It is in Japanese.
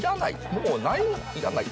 もう何もいらない。